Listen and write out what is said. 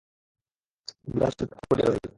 বিভা চুপ করিয়া রহিল।